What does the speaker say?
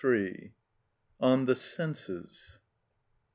On The Senses.